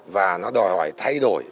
và nó đòi hỏi thay đổi